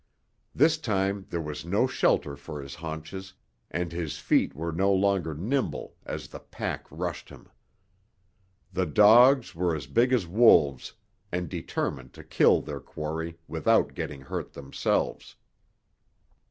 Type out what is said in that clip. This time there was no shelter for his haunches, and his feet were no longer nimble as the pack rushed him. The dogs were as big as wolves and determined to kill their quarry without getting hurt themselves.